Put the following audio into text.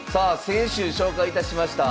先週紹介いたしました